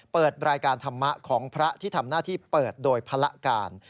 เปิดรายการธรรมะของพระที่ทำหน้าที่เปิดโดยภาระการ